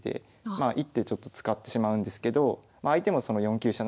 まあ１手ちょっと使ってしまうんですけど相手もその４九飛車